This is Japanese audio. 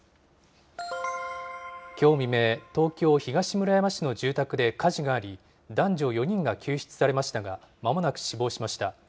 きょう未明、東京・東村山市の住宅で火事があり、男女４人が救出されましたが、まもなく死亡しました。